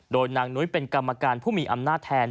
โดยนางนุ้ยเป็นกรรมการผู้มีอำนาจแทน